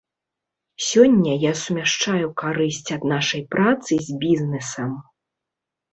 Сёння я сумяшчаю карысць ад нашай працы з бізнесам.